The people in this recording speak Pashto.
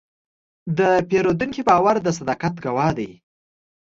د پیرودونکي باور د صداقت ګواه دی.